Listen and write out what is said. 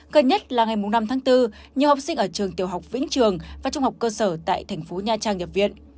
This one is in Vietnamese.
gần nhất là ngày năm tháng bốn nhiều học sinh ở trường tiểu học vĩnh trường và trung học cơ sở tại thành phố nha trang nhập viện